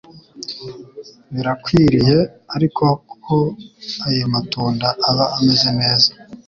Birakwiriye ariko ko ayo matunda aba ameze neza.